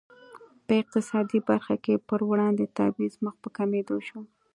په اقتصادي برخه کې پر وړاندې تبعیض مخ په کمېدو شو.